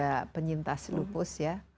mbak tiara juga penyintas lupus ya